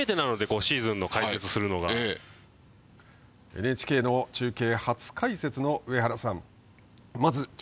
ＮＨＫの中継初解説の上原さん。